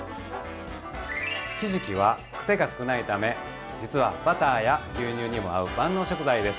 ひじきはくせが少ないため実はバターや牛乳にも合う万能食材です。